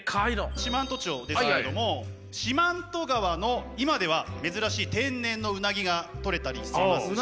四万十町ですけども四万十川の今では珍しい天然のうなぎがとれたりしますし。